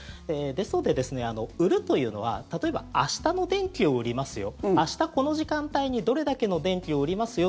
ですので、売るというのは例えば明日の電気を売りますよ明日、この時間帯にどれだけの電気を売りますよ